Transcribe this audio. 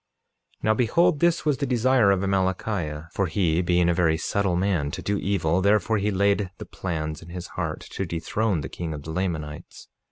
47:4 Now behold, this was the desire of Amalickiah; for he being a very subtle man to do evil therefore he laid the plan in his heart to dethrone the king of the Lamanites.